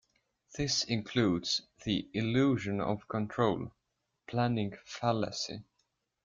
This includes the "illusion of control", "planning fallacy".